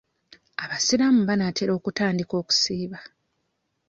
Abasiraamu banaatera okutandika okusiiba.